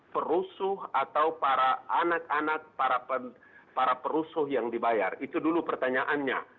perusuh atau para anak anak para perusuh yang dibayar itu dulu pertanyaannya